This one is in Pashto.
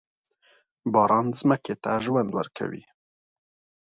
باران ځمکې ته ژوند ورکوي.